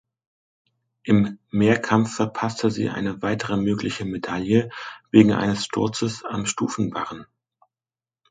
Im Mehrkampf verpasste sie eine weitere mögliche Medaille wegen eines Sturzes am Stufenbarren.